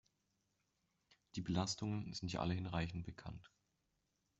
Die Belastungen sind ja alle hinreichend bekannt.